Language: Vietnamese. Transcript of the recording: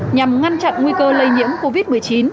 nhằm ngăn chặn nguy cơ lây nhiễm covid một mươi chín